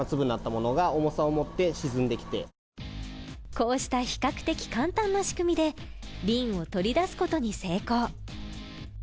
こうした比較的簡単な仕組みでリンを取り出すことに成功。